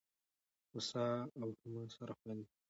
هوسا او هما سره خوندي دي.